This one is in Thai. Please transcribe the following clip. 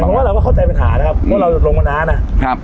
แข็งเพราะว่าเราก็เข้าใจปัญหานะครับเพราะว่าเราหยุดลงมานานอ่ะครับ